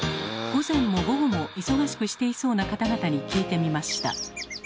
午前も午後も忙しくしていそうな方々に聞いてみました。